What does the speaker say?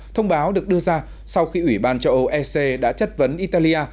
thông báo được đưa ra sau khi ủy ban châu âu ec đã chất vấn italia